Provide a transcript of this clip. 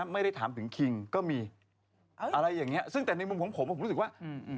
ไม่ได้ถามถึงคิงก็มีอะไรอย่างเงี้ซึ่งแต่ในมุมของผมผมรู้สึกว่าอืม